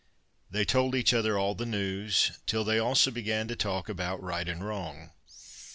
They told each other all the news, till they also began to talk about right and wrong.